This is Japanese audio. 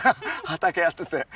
畑やってて。